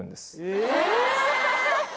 え！